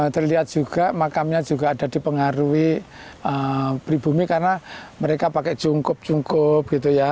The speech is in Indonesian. terlihat juga makamnya juga ada dipengaruhi pribumi karena mereka pakai jungkup jungkup gitu ya